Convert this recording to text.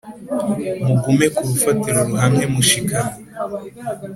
mugume ku rufatiro ruhamye mushikamye